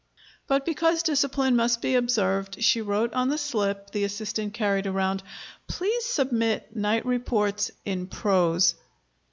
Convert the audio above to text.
But, because discipline must be observed, she wrote on the slip the assistant carried around: "Please submit night reports in prose."